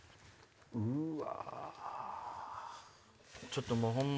うわ！